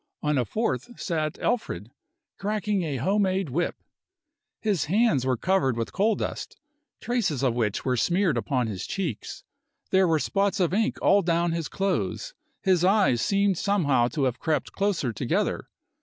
On a fourth sat Alfred, cracking a home made whip. His hands were covered with coal dust, traces of which were smeared upon his cheeks. There were spots of ink all down his clothes, his eyes seemed somehow to have crept closer together.